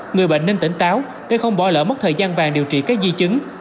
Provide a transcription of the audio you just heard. người bệnh nên tỉnh táo để không bỏ lỡ mất thời gian vàng điều trị các di chứng